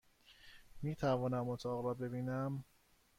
میتوانم اتاق را ببینم؟